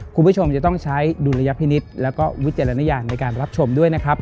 คุณผู้ชมจะต้องใช้ดุลยพินิษฐ์แล้วก็วิจารณญาณในการรับชมด้วยนะครับ